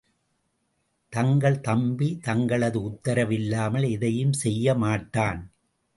தங்கள் தம்பி தங்களது உத்தரவு இல்லாமல் எதையும் செய்ய மாட்டான்.